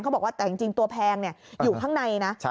เขาบอกว่าแต่จริงตัวแพงเนี่ยอยู่ข้างในนะ